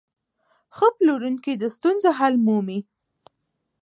ښه پلورونکی د ستونزو حل مومي.